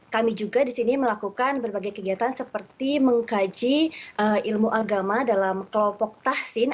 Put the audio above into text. kami juga di sini melakukan berbagai kegiatan seperti mengkaji ilmu agama dalam kelompok tahsin